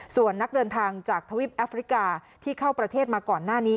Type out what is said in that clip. ส่วนนักเดินทางจากทวิปแอฟริกาที่เข้าประเทศมาก่อนหน้านี้